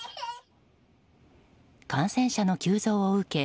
感染者の急増を受け